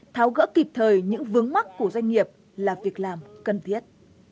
tháo gỡ kịp thời những vướng mắt của doanh nghiệp là việc làm cần thiết